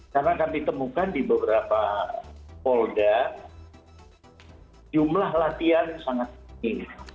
karena kami temukan di beberapa folder jumlah latihan sangat tinggi